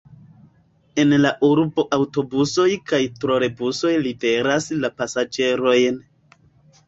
En la urbo aŭtobusoj kaj trolebusoj liveras la pasaĝerojn.